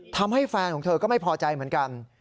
ทำให้แฟนของเธอก็ไม่พอใจเหมือนกัน